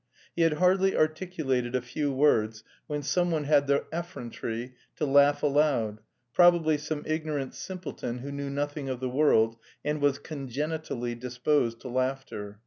He had hardly articulated a few words when someone had the effrontery to laugh aloud probably some ignorant simpleton who knew nothing of the world, and was congenitally disposed to laughter.